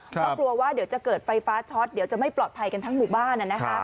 เพราะกลัวว่าเดี๋ยวจะเกิดไฟฟ้าช็อตเดี๋ยวจะไม่ปลอดภัยกันทั้งหมู่บ้าน